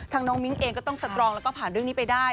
น้องมิ้งเองก็ต้องสตรองแล้วก็ผ่านเรื่องนี้ไปได้